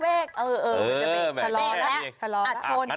เออเขาร้องนะ